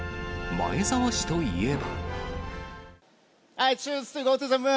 前澤氏といえば。